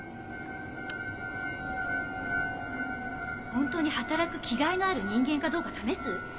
本当に働く気概のある人間かどうか試す？